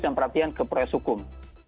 dan perhatian ke proses hukum